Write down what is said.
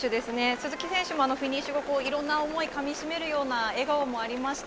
選手もフィニッシュ後、いろいろ思いをかみ締めるような笑顔がありました。